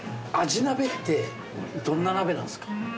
鯵鍋ってどんな鍋なんですか？